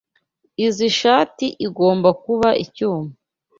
Izoi shati igomba kuba icyuma.